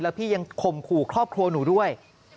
พี่ยังข่มขู่ครอบครัวหนูด้วย